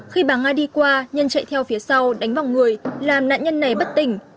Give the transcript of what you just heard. khi bà nga đi qua nhân chạy theo phía sau đánh vào người làm nạn nhân này bất tỉnh